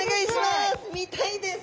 見たいです！